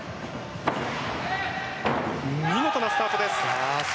見事なスタートです。